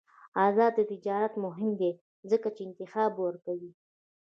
آزاد تجارت مهم دی ځکه چې انتخاب ورکوي.